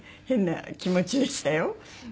変な気持ちでしたよ。